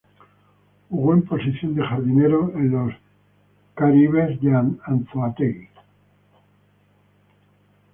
Jugó en posición de jardinero en los Caribes de Anzoátegui.